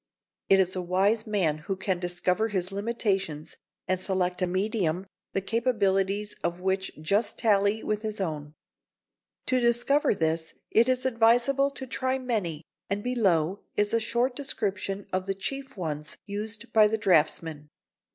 It is a wise man who can discover his limitations and select a medium the capacities of which just tally with his own. To discover this, it is advisable to try many, and below is a short description of the chief ones used by the draughtsman.